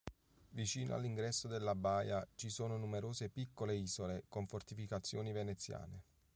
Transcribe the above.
Vicino all'ingresso della baia ci sono numerose piccole isole, con fortificazioni veneziane.